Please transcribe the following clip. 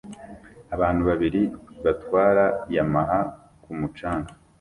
Abantu babiri batwara Yamaha ku mucanga